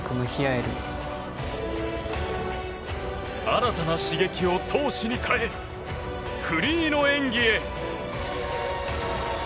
新たな刺激を闘志に変えフリーの演技へ。